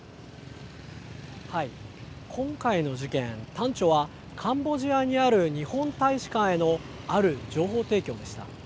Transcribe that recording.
今回の事件、端緒はカンボジアにある日本大使館への、ある情報提供でした。